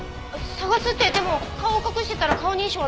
捜すってでも顔を隠してたら顔認証は使えないし。